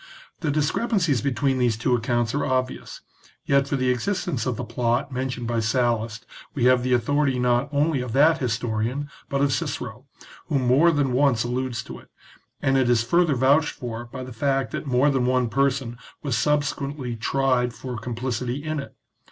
The discrepancies between these two accounts are obvious, yet for the existence of the plot mentioned by Sallust we have the authority not only of that historian, but of Cicero, who more than once alludes to it, and it is further vouched for by the fact that more than one person was subsequently tried for complicity in it.